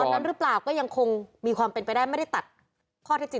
นั้นหรือเปล่าก็ยังคงมีความเป็นไปได้ไม่ได้ตัดข้อที่จริง